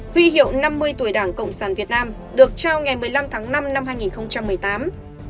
huy hiệu năm mươi tuổi đảng cộng sản việt nam được trao ngày một mươi năm tháng năm năm hai nghìn một mươi tám